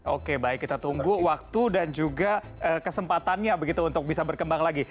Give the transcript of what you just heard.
oke baik kita tunggu waktu dan juga kesempatannya begitu untuk bisa berkembang lagi